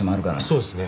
そうですね。